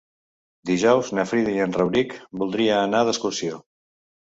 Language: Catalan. Dijous na Frida i en Rauric voldria anar d'excursió.